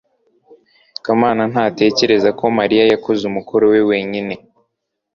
kamana ntatekereza ko mariya yakoze umukoro we wenyine